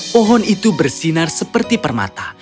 pohon itu bersinar seperti permata